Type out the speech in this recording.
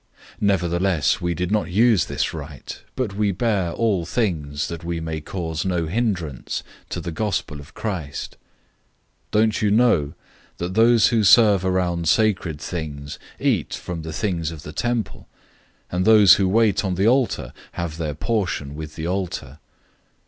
Nevertheless we did not use this right, but we bear all things, that we may cause no hindrance to the Good News of Christ. 009:013 Don't you know that those who serve around sacred things eat from the things of the temple, and those who wait on the altar have their portion with the altar?